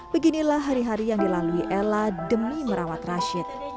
beginilah hari hari yang dilalui ella demi merawat rashid